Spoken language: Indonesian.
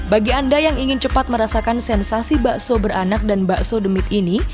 bagi anda yang ingin cepat merasakan sensasi bakso beranak dan bakso demit ini